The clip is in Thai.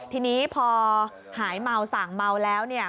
ทีนี้พอหายเมาสั่งเมาแล้วเนี่ย